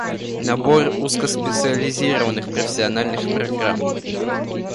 Набор узкоспециализированных профессиональных программ